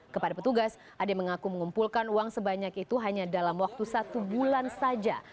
kepada petugas ade mengaku mengumpulkan uang sebanyak itu hanya dalam waktu satu bulan saja